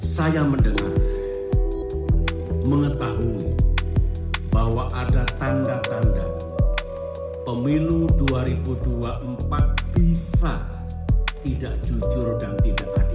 saya mendengar mengetahui bahwa ada tanda tanda pemilu dua ribu dua puluh empat bisa tidak jujur dan tidak adil